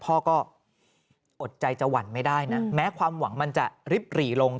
พ่อก็อดใจจะหวั่นไม่ได้นะแม้ความหวังมันจะริบหรี่ลง